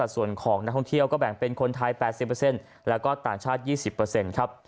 ส่วนของนักท่องเที่ยวก็แบ่งเป็นคนไทย๘๐แล้วก็ต่างชาติ๒๐ครับ